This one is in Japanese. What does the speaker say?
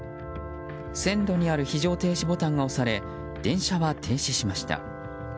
線路にある非常停止ボタンが押され、電車は停止しました。